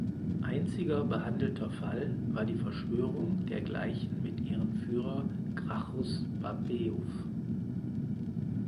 Einziger behandelter Fall war die Verschwörung der Gleichen mit ihrem Führer Gracchus Babeuf.